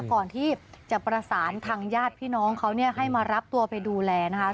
ก่อนที่จะประสานทางญาติพี่น้องเขาเนี่ยให้มารับตัวไปดูแลนะคะ